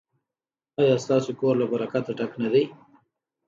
ایا ستاسو کور له برکت ډک نه دی؟